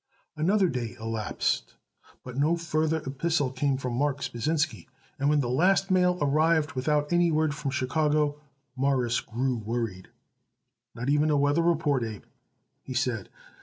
Another day elapsed, but no further epistle came from Marks Pasinsky, and when the last mail arrived without any word from Chicago Morris grew worried. "Not even a weather report, Abe," he said.